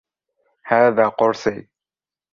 هذا قرصي.